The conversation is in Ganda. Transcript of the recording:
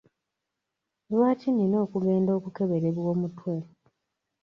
Lwaki nina okugenda okukeberebwa omutwe .